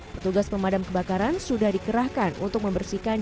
petugas pemadam kebakaran sudah dikerahkan untuk membersihkan